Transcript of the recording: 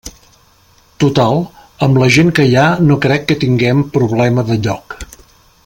Total, amb la gent que hi ha no crec que tinguem problema de lloc.